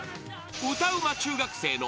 ［歌うま中学生の］